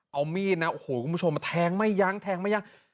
เอามีดนะโอ้โหคุณผู้ชมแทงไม่ยั้งแทงไม่ยั้ง